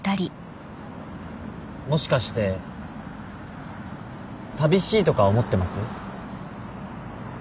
もしかして寂しいとか思ってます？